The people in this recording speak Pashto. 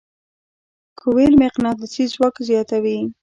کویل مقناطیسي ځواک زیاتوي.